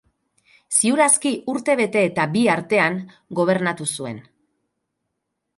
Ziur aski, urte bete eta bi artean gobernatu zuen.